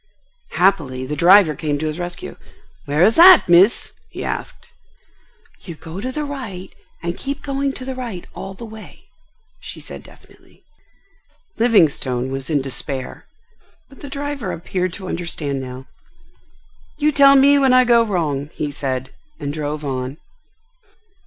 Happily, the driver came to his rescue. "Where is that, Miss?" he asked. "You go to the right and keep going to the right all the way," she said definitely. Livingstone was in despair; but the driver appeared to understand now. "You tell me when I go wrong," he said, and drove on.